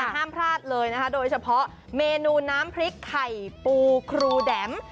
ห้ามพลาดเลยนะคะโดยเฉพาะเมนูน้ำพริกไข่ปูครูแดม